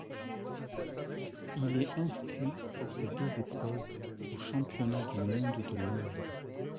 Il est inscrit pour ces deux épreuves aux Championnats du monde de Londres.